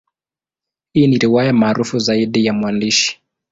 Hii ni riwaya maarufu zaidi ya mwandishi.